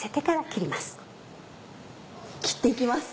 切って行きます。